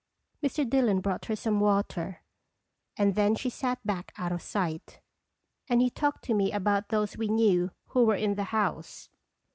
Mr. Dillon brought her some water, and then she sat back out of sight, and he talked to me about those we knew who were in the house.